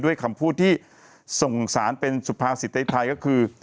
ด้วยคำพูดที่ส่งสารเป็นสุภาพสิทธิไทยก็คือ